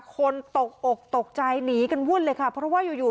คนตกอกตกใจหนีกันวืนเลยค่ะเพราะว่ายังไง